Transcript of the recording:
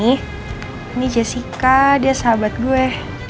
ini jessica dia sahabat gue